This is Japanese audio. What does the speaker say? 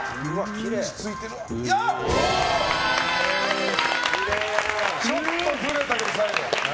すごい！ちょっとずれたけど、最後。